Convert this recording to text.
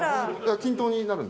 均等になるんで。